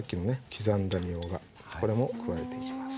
刻んだみょうがこれも加えていきます。